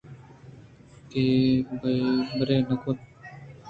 کہ بِہ برے نہ کُت